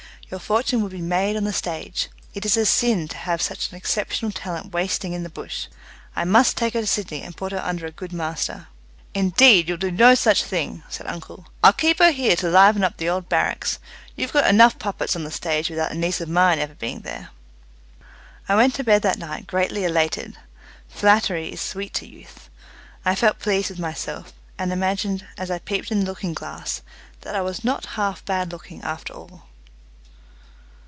Your fortune would be made on the stage. It is a sin to have such exceptional talent wasting in the bush. I must take her to Sydney and put her under a good master." "Indeed, you'll do no such thing," said uncle. "I'll keep her here to liven up the old barracks. You've got enough puppets on the stage without a niece of mine ever being there." I went to bed that night greatly elated. Flattery is sweet to youth. I felt pleased with myself, and imagined, as I peeped in the looking glass, that I was not half bad looking after all.